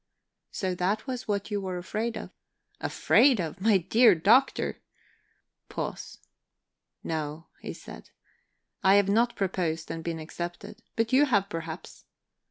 "So that was what you were afraid of?" "Afraid of? My dear Doctor!" Pause. "No," he said, "I have not proposed and been accepted. But you have, perhaps.